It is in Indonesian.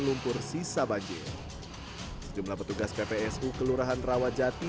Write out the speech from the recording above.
lumpur sisa banjir jumlah petugas ppsu kelurahan rawajati jatimun